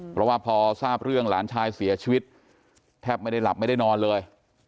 เพราะว่าพอทราบเรื่องหลานชายเสียชีวิตแทบไม่ได้หลับไม่ได้นอนเลย